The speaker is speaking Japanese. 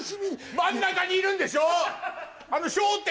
真ん中にいるんでしょ？